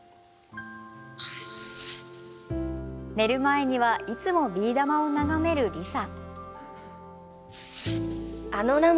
寝る前にはいつもビー玉を眺めるリサ。